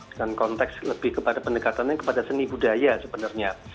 dan konteks lebih kepada pendekatannya kepada seni budaya sebenarnya